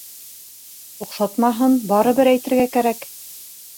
Оҡшатмаһын, барыбер әйтергә кәрәк.